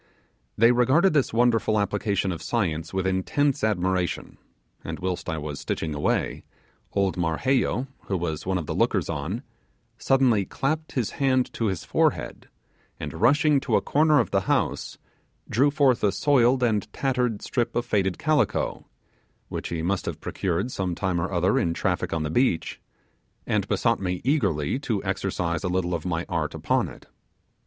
They regarded this wonderful application of science with intense admiration; and whilst I was stitching away, old Marheyo, who was one of the lookers on, suddenly clapped his hand to his forehead, and rushing to a corner of the house, drew forth a soiled and tattered strip of faded calico which he must have procured some time or other in traffic on the beach and besought me eagerly to exercise a little of my art upon it.